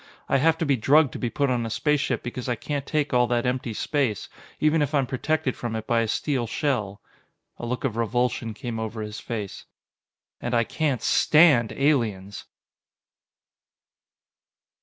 "I have to be drugged to be put on a spaceship because I can't take all that empty space, even if I'm protected from it by a steel shell." A look of revulsion came over his face. "And I can't stand aliens!"